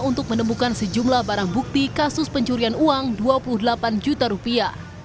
untuk menemukan sejumlah barang bukti kasus pencurian uang dua puluh delapan juta rupiah